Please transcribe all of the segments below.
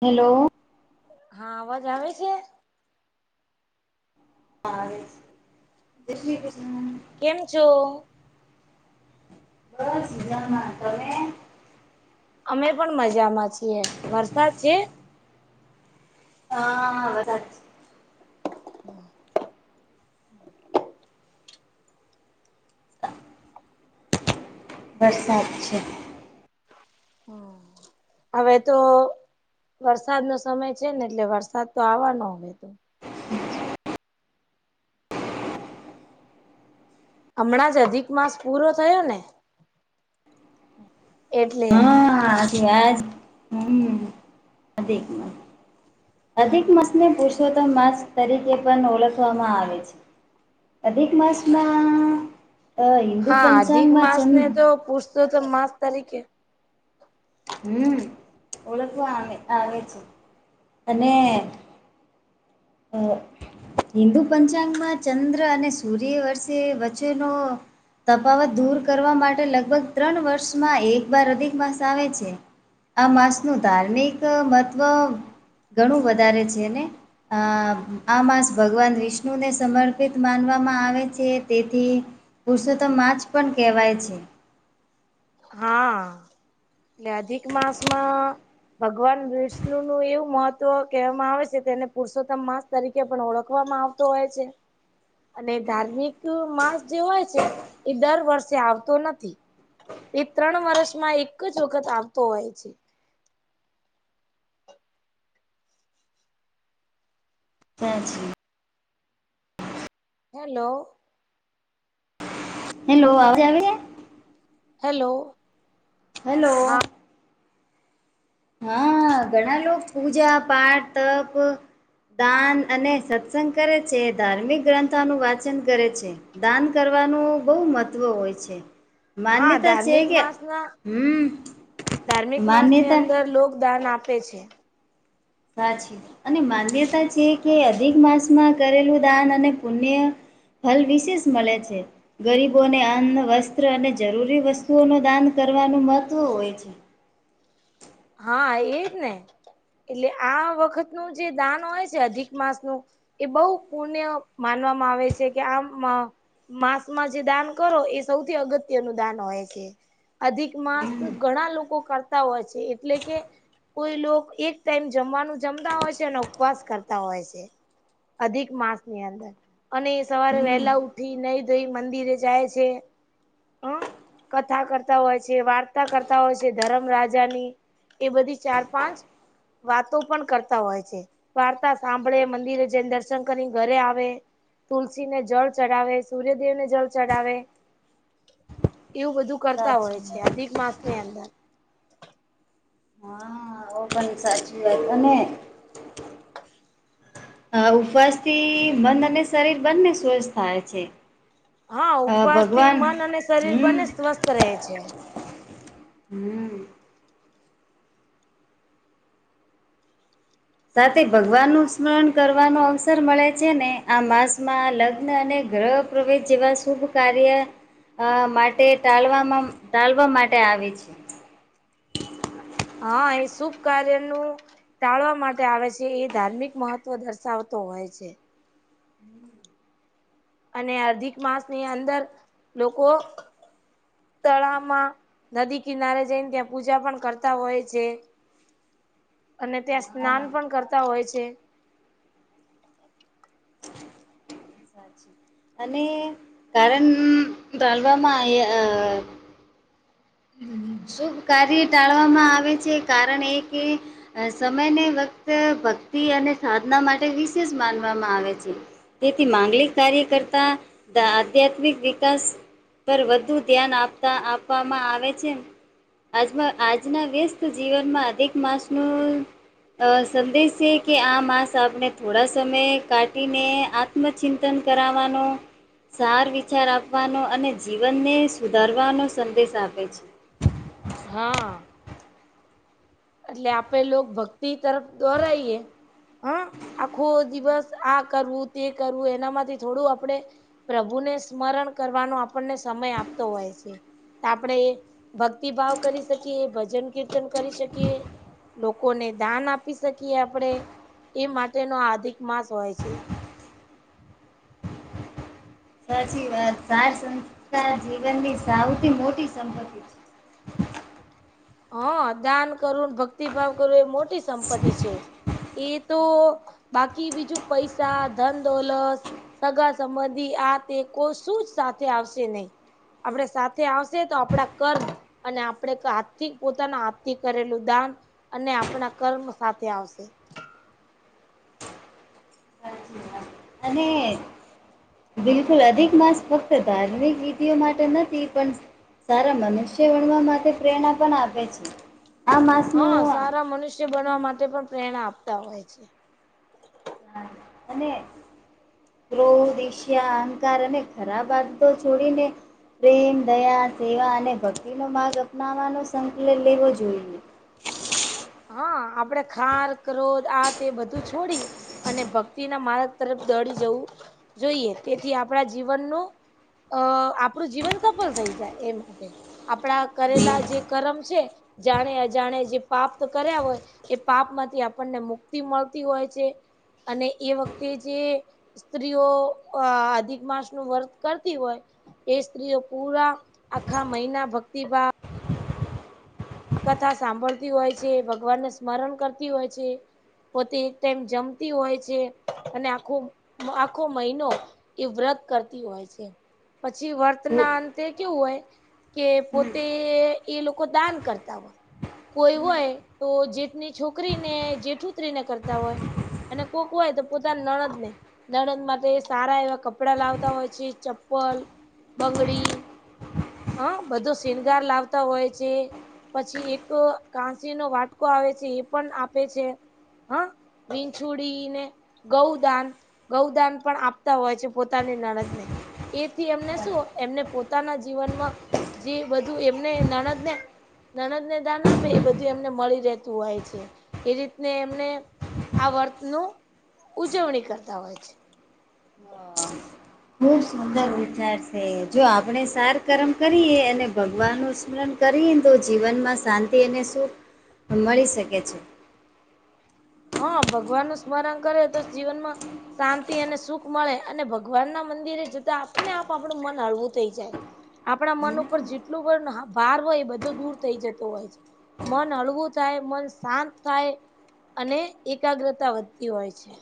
Hello હા અવાજ આવે છે હા કેમ છું બ સિઝન માં તમે અમે પણ મજામાં છીએ વરસાદ છે હા હ વરસાદ છે [inaudible] હવે તો વરસાદ નો સમય છે ને એટલે વરસાદ તો આવવાનો હો તો હમણાં જ અધિક માસ પૂરો થયો ને એટલે હા આજ હમિક મ અધિક મસને પુરુષોત્તમ માસ તરીકે પણ ઓળખવામાં આવે છે અધિક માસમાં હિન્દુ હા અધિક પંચાંગમાં માસ છે ને તો પૂછતો માસ તરીકે હમ ઓળખું આવે આવે છે અને અ હિન્દુ પંચાંગમાં ચંદ્ર અને સૂર્ય વર્ષે વચ્ચેનો તફાવત દૂર કરવા માટે લગભગ ત્રણ વર્ષમાં એક બાર અધિક માસ આવે છે આ માસનું ધાર્મિક મહત્ત્વ ઘણું વધારે છે ને આ માસ ભગવાન વિષ્ણુને સમર્પિત માનવામાં આવે છે તેથી પુરષોત્ માછ પણ કહેવાય છે હા એટલે અધિક માસમાં ભગવાન વિષ્ણુ નું એવું મહત્વ કહેવામાં આવે છે કે તેને પુરુષોત્તમ માસ તરીકે પણ ઓળખવામાં આવતો હોય છે અને ધાર્મિક માસ જે હોય છે એ દર વર્ષે આવતો નથી એ ત્રણ વર્ષમાં એક જ વખત આવતો હોય છે જય જલે હેલો હે લો આવજવે કે હેલો હેલો હા હા ઘણા લોકો પૂજા પાઠપ દાન અને સત્સંગ કરે છે ધાર્મિક ગ્રંથોનું વાંચન કરે છે દાન કરવાનું બહુ મહત્વ હોય છે. હા માન્યતા છે ધાર્મિક કે માસના હમ ધાર્મિક માસ ની માન્યતા અંદર લોક દાન આપે છે. સાછી અને માન્યતા છે કે અધિક માસમાં કરેલું દાન અને પુણ્ય ફલ વિશેષ મળે છે. ગરીબોને અન્ન વસ્ત્ર અને જરૂરી વસ્તુઓ ન દાન કરવાનું મહત્વ હોય છે. હા એજ ને એટલે આ વખત નું જે દાન હોય છે અધિક માસ નું એ બહુ પુણ્ય માનવામાં આવે છે કે આમ માસમાં જે દાન કરો એ સૌથી અગત્ય નું દાન હોય છે. અધિક માસ ઘણા લોકો કરતા હોય છે. એટલે કે કોઈ એક ટાઈમ જમવાનું જમતા હોય છે અને ઉપવાસ કરતા હોય છે. અધિક માસ ની અંદર અને સવારે હમ વહેલા ઉઠી નહી ધઈ મંદિરે જાય છે, હ કથા કરતા હોય છે વાર્તા કરતા હોય છે ધરમ રાજાની એ બધી ચાર પાંચ વાતો પણ કરતા હોય છે. વાર્તા સાંભળે મંદિરે જઈને દર્શન કરી ઘરે આવે તુલસીને જળ ચડાવે સૂર્યદેવ ને જળ ચડાવે એવું બધું કરતા હોય સાચી છે અધિક માસ ની અંદર હા પણ સાચી વા તને અ ઉપવાસ થી મન અને શરીર બંને સ્વસ્થ થાય છે. હા અ ઉપવાસ થી ભગવાન મન અને શરીર બને હમ સ્વસ્થ રહે છે. હમ [unintelligible] સાથે ભગવાનનું સ્મરણ કરવાનો અવસર મળે છે ને આ માસમાં લગ્ન અને ગ્રહ પ્રવેશ જેવા શુભ કાર્ય અ માટે ટળવામાં ટાળવા માટે આવે છે. હા એ શુભ કાર્યનું ટાળવા માટે આવે છે એ ધાર્મિક મહત્વ દર્શાવતો હોય છે. અને અર્ધિક માસ ની અંદર લોકો તળાવમાં નદી કિનારે જઈને ત્યાં પૂજા પણ કરતા હોય છે. અને ત્યાં સ્નાન પણ કરતા હોય છે. અને કારણ ટાલવામાં શુભ કાર્ય ટાળવામાં આવે છે કારણ એ કે અ સમય ને વક્ત ભક્તિ અને સાધના માટે વિશેષ માનવામાં આવે છે. તેથી માંગલિક કાર્ય કરતા આધ્યાત્મિક વિકાસ પર વધુ ધ્યાન આપતા આપવામાં આવે છે. આજમાં આજના વ્યસ્ત જીવનમાં અધિક માસનું સંદેશ છે કે આ માંસ આપણે થોડા સમયે કાઢીને આ માં ચિંતન કરાવવાનો સાર વિચાર આપવાનો અને જીવનને સુધારવાનો સંદેશ આપે છે. હા. એટલે આપે લોકો ભક્તિ તરફ દોરાઈએ હમ આખો દિવસ આ કરવું તે કરવું એનામાંથી થોડું આપડે પ્રભુને સ્મરણ કરવાનો આપણને સમય આપતો હોય છે. આપણે ભક્તિભાવ કરી શકીએ એ ભજન કીર્તન કરી શકીએ લોકોને દાન આપી શકીએ આપણેે એ માટેનો આધિક માસ હોય છે. સાચી વાત સાર સંસ્થા જીવનની સૌથી મોટી સંપત્તિ છે. હ દાન કરું ભક્તિભાવ કરું એ મોટી સંપત્તિ છે એ તો બાકી બીજું પૈસા ધન દોલત સગા સંબંધી આ તે કો શું જ સાથે આવશે નહી આપણે સાથે આવશે તો આપડા કર્મ અને આપણે થી પોતાના હાથ થી કરેલું દાન અને આપણા કર્મ સાથે આવશે અને બિલકુલ અધિક માસ ફક્ત ધાર્મિક વિીધઓ માટે નથી પણ સારા મનુષ્ય વણવા માટે પ્રેરણા પણ આપે છે આ માસ નું હા સારા મનુષ્ય બનવા માટે પણ પ્રેરણા આપતા હોય છે હા અને ક્રોધ ઈર્ષા અહંકાર અને ખરાબ વાદતો છોડીને પ્રેમ દયા સેવા અને ભક્તિનો માર્ગ અપનાવવાનો સંકલન લેવો જોઈએ હા આપડે ખાર ક્રોધ આ તે એ બધું છોડી અને ભક્તિ ના માર્ગ તરફ દડી જવું જોઈએ તેથી આપણા જીવનનું અ આપણું જીવન સફળ થઈ જાય એ માટે આપણા કરેલા જે કરમ છે જાણે અજાણે જે પાપ તો કર્યા હોય એ પાપ માંથી આપણને મુક્તિ મળતી હોય છે અને એ વખતે જે સ્ત્રીઓ અધિક માસ નું વર્ત કરતી હોય એ સ્ત્રીઓ પૂરા આખા મહિના ભક્તિભાવ આ કથા સાંભળતી હોય છે ભગવાનને સ્મરણ કરતી હોય છે પોતે એક ટાઈમ જમતી હોય છે અને આખો આખો મહિનો ઈ વ્રત કરતી હોય છે પછી હમ. વર્તના અંતે કેવું હોય કે પોતે હા. એ લોકો દાન કરતા કોઈ હોય તો જેઠની છોકરીને જેઠુતરીને કરતા હોય અને કોક હોય તો પોતાની નંણદ ને નણંદ માટે સારા એવા કપડા લાવતા હોય છે ચપ્પલ બંગડી હ બધો શ્રીગાન લાવતા હોય છે પછી એક કાંસી નો વાટકો આવે છે એ પણ આપે છે હા વીનચુડી ને ગૌદાન ગૌદાન પણ આપતા હોય છે પોતાની નણંદ ને એથી એમને શું એમને પોતાના જીવનમાં જે બધું એમને નણંદ ને નણંદ ને દાન આપે એ બધું એમને મળી રહેતું હોય છે એ રીતને એમને આ વર્ત નુ ઉજવણી કરતા હોય છે હા ખુબ સુંદર વિચાર છે જો આપણે સાર કર્મ કરીએ અને ભગવાન નું સ્મરણ કરીએ ન તો જીવનમાં શાંતિ અને સુખ મળી શકે છે હા ભગવાન નું સ્મરણ કરે તો જીવનમાં શાંતિ અને સુખ મળે અને ભગવાન ના મંદિરે જતા આપને આપ આપણું મન હળવું થઈ જાય આપણા મન ઉપર જેટલું પણ ભાર હોય એ બધો દૂર થઈ જતો હોય છે મન હળવું થાય મન શાંત થાય અને એકાગ્રતા વધતી હોય છે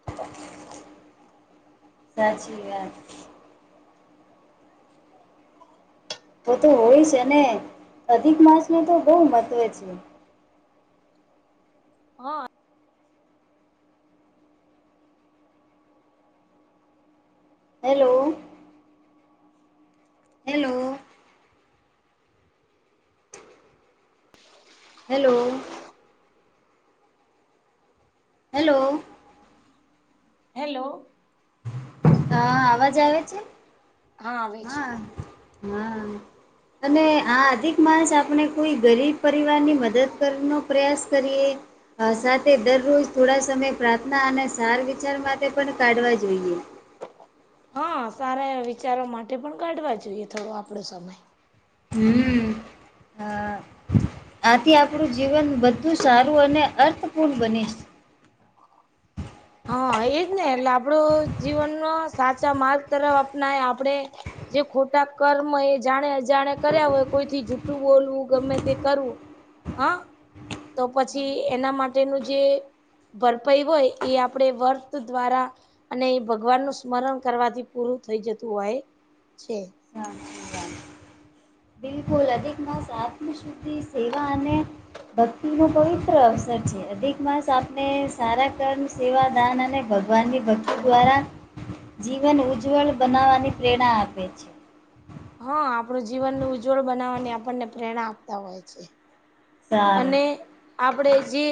[inaudible] સચી વાત તો તો હોય છે ને અધિક માસ નુ તો બહુ મહત્વે છે હા hello hello hello hello hello હા, અવાજ આવે છે? આવે છે. હા, હા. અને આ અધિક માણસ આપણે કોઈ ગરીબ પરિવારની મદદ કરવાનો પ્રયાસ કરીએ. અ, સાથે દરરોજ થોડા સમય પ્રાર્થના અને સાર વિચાર માટે પણ કાઢવા જોઈએ. હા, સારા વિચારો માટે પણ કાઢવા જોઈએ, થોડો આપડો સમય. હમ, હા. આથી આપણું જીવન બધું સારું અને અર્થપૂર્ણ બને છે. હા, એજ ને, એટલે આપડો જીવનનો સાચા માર્ગ તરફ અપનાવી એ આપડે. જે ખોટા કર્મ એ જાણે-અજાણે કર્યા હોય, કોઈથી જૂઠું બોલવું ગમે તે કરવું. હા, તો પછી એના માટેનું જે ભરપાઈ હોય. એ આપણેે વર્ત દ્વારા. અને એ ભગવાન નું સ્મરણ કરવાથી પૂરું થઈ જતું હોય છે. લ અધિક માસ, આત્મશુદ્ધિ સેવા અને ભક્તિનો. પવિત્ર અવસર છે, અધિક માસ આપણે સારા કર્મ, સેવા, દાન અને ભગવાનની ભક્તિ દ્વારા જીવન ઉજ્જવળ બનાવવાની પ્રેરણા આપે છે. હા, આપણું જીવન ઉજ્જવળ બનાવવાની આપણને પ્રેરણા આપતા હોય છે. સારું અને આપડે જે